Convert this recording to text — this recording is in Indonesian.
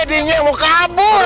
dia yang mau kabur